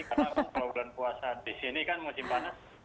karena kalau bulan puasa di sini kan musim panas